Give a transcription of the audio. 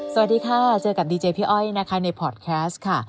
สวัสดีค่ะเจอกับดีเจพี่อ้อยนะคะในพอร์ตแคสต์ค่ะ